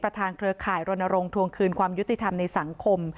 ประธานเครือข่ายโรนโรงทวงคืนความยุติธรรมในสังคม